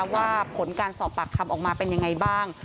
ว่าผลการสอบปากคำออกมาเป็นยังไงบ้าง